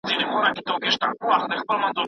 آیا مینه تر کرکي لویه ده؟